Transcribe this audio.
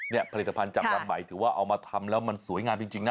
นี่ผลิตภัณฑ์จากวันใหม่ถือว่าเอามาทำแล้วมันสวยงามจริงนะ